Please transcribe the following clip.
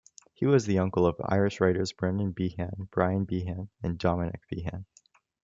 He was the uncle of Irish writers Brendan Behan, Brian Behan, and Dominic Behan.